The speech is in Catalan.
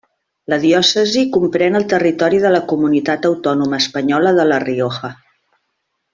La diòcesi comprèn el territori de la comunitat autònoma espanyola de La Rioja.